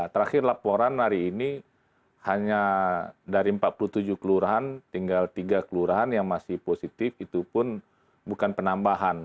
terakhir laporan hari ini hanya dari empat puluh tujuh kelurahan tinggal tiga kelurahan yang masih positif itu pun bukan penambahan